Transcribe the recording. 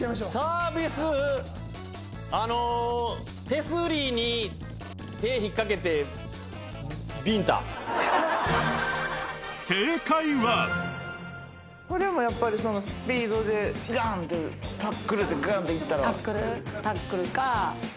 あの手すりに手引っかけてビンタ正解はこれもやっぱりスピードでガンッてタックルでガンッていったらタックル？